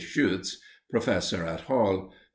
Schütz, Professor at Halle).